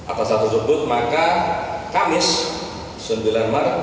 atas hal tersebut maka kamis sembilan maret dua ribu dua puluh